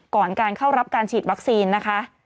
ก่อนการเข้ารับการฉีดวัคซีนนะคะ